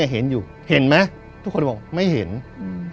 เนี้ยเห็นอยู่เห็นมะทุกคนบอกไม่เห็นอืม